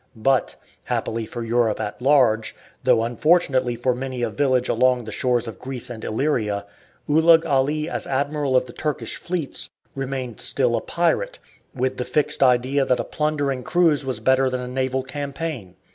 But, happily for Europe at large, though unfortunately for many a village along the shores of Greece and Illyria, Ulugh Ali as admiral of the Turkish fleets remained still a pirate, with the fixed idea that a plundering cruise was better than a naval campaign.